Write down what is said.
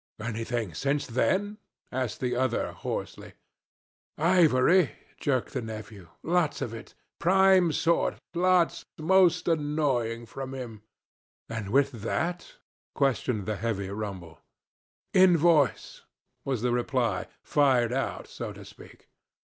'Anything since then?' asked the other, hoarsely. 'Ivory,' jerked the nephew; 'lots of it prime sort lots most annoying, from him.' 'And with that?' questioned the heavy rumble. 'Invoice,' was the reply fired out, so to speak.